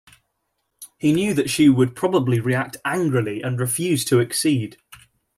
He knew that she would probably react angrily and refuse to accede.